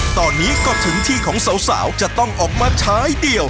ตอนนี้ก็ถึงที่ของสาวจะต้องออกมาใช้เดี่ยว